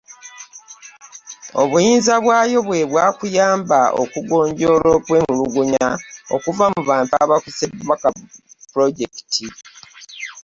Obuyinza bwayo bwe bw’okuyamba okugonjoola okwemulugunya okuva mu bantu abakoseddwa pulojekiti.